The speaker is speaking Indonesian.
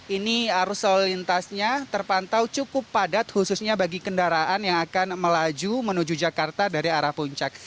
ini arus lalu lintasnya terpantau cukup padat khususnya bagi kendaraan yang akan melaju menuju jakarta dari arah puncak